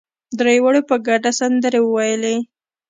درېواړو په ګډه سندرې وويلې.